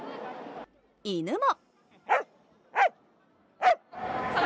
犬も。